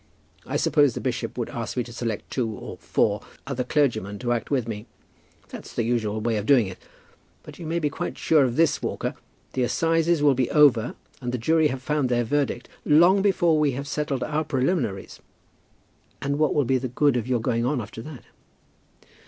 I suppose the bishop would ask me to select two or four other clergymen to act with me. That's the usual way of doing it. But you may be quite sure of this, Walker; the assizes will be over, and the jury have found their verdict long before we have settled our preliminaries." "And what will be the good of your going on after that?"